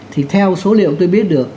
thì theo số liệu tôi biết được